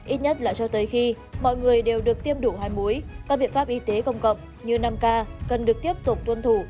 ít nhất là cho tới khi mọi người đều được tiêm đủ hai muối các biện pháp y tế công cộng như năm k cần được tiếp tục tuân thủ